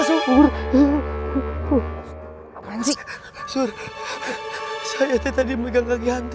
surya saya tadi megang kaki hantu